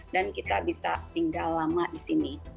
dan kita bisa tinggal lama di sini